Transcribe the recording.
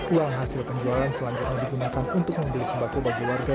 uang hasil penjualan selanjutnya digunakan untuk membeli sembako bagi warga